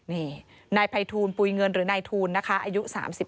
นี่นายภัยทูลปุ๋ยเงินหรือนายทูลนะคะอายุ๓๓